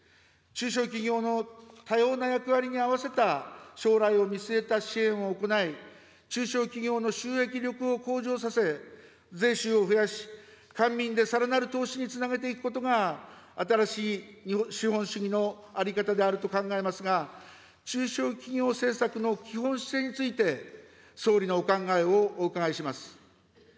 中小企業の多様な役割に合わせた将来を見据えた支援を行い、中小企業の収益力を向上させ、税収を増やし、官民でさらなる投資につなげていくことが、新しい資本主義の在り方であると考えますが、中小企業政策の基本姿勢について、総理のお考えをお伺いします。